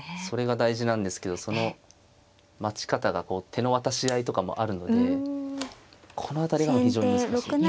それが大事なんですけどその待ち方が手の渡し合いとかもあるのでこの辺りが非常に難しい。